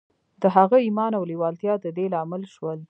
د هغه ايمان او لېوالتیا د دې لامل شول.